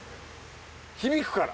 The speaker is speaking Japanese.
響くから。